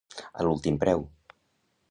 A l'últim preu.